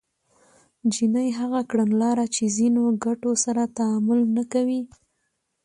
جیني هغه کړنلاره چې ځینو ګټو سره تعامل نه کوي